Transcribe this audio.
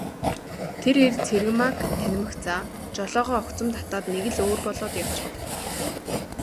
Тэр эр Цэрэгмааг танимагцаа жолоогоо огцом татаад нэг л өөр болоод явчхав.